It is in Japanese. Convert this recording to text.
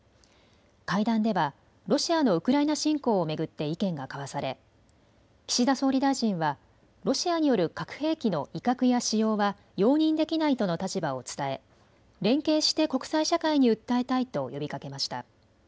会談ではロシアのウクライナ侵攻を巡って意見が交わされ岸田総理大臣はロシアによる核兵器の威嚇や使用は容認できないとの立場を伝え連携して国際社会に訴えたいと呼びかけました。